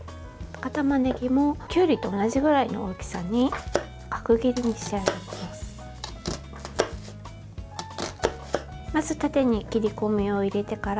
赤たまねぎもきゅうりと同じくらいの大きさに角切りにしていきます。